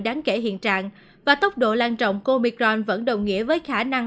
đáng kể hiện trạng và tốc độ lan trọng của omicron vẫn đồng nghĩa với khả năng